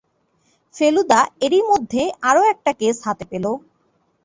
ফেলুদা এরই মধ্যে আরও একটা কেস হাতে পেল।